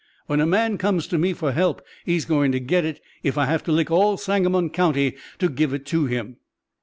When a man comes to me for help, he's going to get it, if I have to lick all Sangamon County to give it to him."